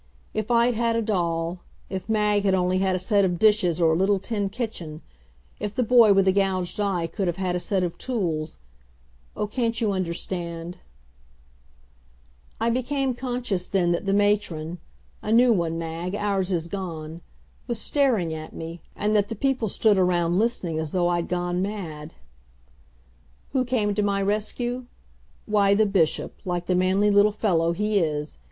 If I'd had a doll if Mag had only had a set of dishes or a little tin kitchen if the boy with the gouged eye could have had a set of tools oh, can't you understand " I became conscious then that the matron a new one, Mag, ours is gone was staring at me, and that the people stood around listening as though I'd gone mad. Who came to my rescue? Why, the Bishop, like the manly little fellow he is.